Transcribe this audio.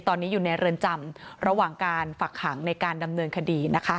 ตอนนี้อยู่ในเรือนจำระหว่างการฝักขังในการดำเนินคดีนะคะ